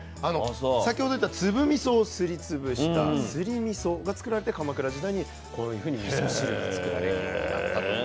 先ほど言ってた粒みそをすり潰したすりみそがつくられて鎌倉時代にこういうふうにみそ汁が作られるようになったと。